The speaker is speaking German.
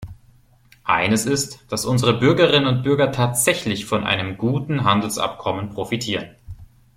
Eines ist, dass unsere Bürgerinnen und Bürger tatsächlich von einem guten Handelsabkommen profitieren.